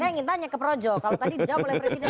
saya ingin tanya ke projo kalau tadi dijawab oleh presiden